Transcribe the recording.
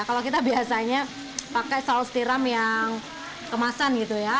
kalau kita biasanya pakai saus tiram yang kemasan gitu ya